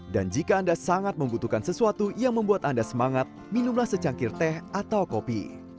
dan jika anda sangat membutuhkan sesuatu yang membuat anda semangat minumlah secangkir teh atau kopi